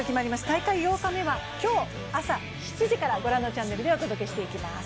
大会８日目は今日朝７時から御覧のチャンネルでお届けしていきます。